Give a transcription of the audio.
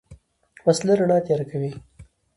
وسله رڼا تیاره کوي